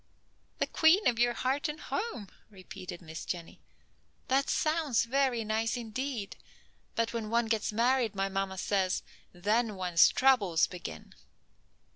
"The queen of your heart and home," repeated Miss Jenny. "That sounds very nice, indeed. But when one gets married, my mamma says, then one's troubles begin."